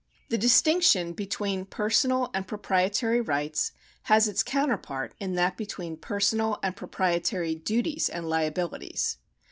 The distinction between personal and proprietary rights has its counterpart in that between personal and proprietary duties and liabilities.